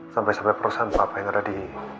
sampai sampai perusahaan papa yang ada di